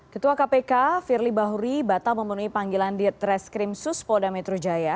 ketua kpk firly bahuri batal memenuhi panggilan di treskrim sus polda metro jaya